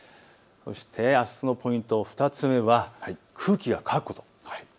そして、あすのポイント２つ目は空気が乾く。